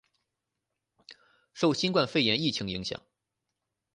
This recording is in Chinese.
受新冠肺炎疫情影响